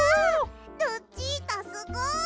ルチータすごい。